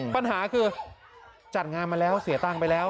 ปัญหาคือจัดงานมาแล้วเสียตังค์ไปแล้ว